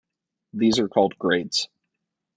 These are called grades.